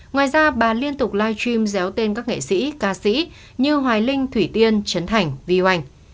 ngoài ra bà liên tục live stream déo tên các nghệ sĩ ca sĩ như hoài linh thủy tiên trấn thành vi hoành